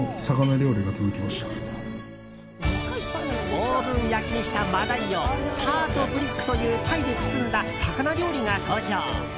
オーブン焼きにしたマダイをパートブリックというパイで包んだ魚料理が登場。